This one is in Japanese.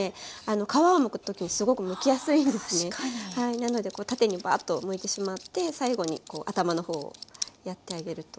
なのでこう縦にバーッとむいてしまって最後にこう頭の方をやってあげると。